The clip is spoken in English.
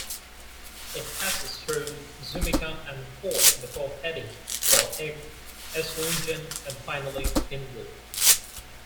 It passes through Zumikon and Forch before heading for Egg, Esslingen and finally Hinwil.